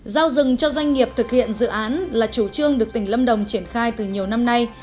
giao rừng cho doanh nghiệp thực hiện dự án là chủ trương được tỉnh lâm đồng triển khai từ nhiều năm nay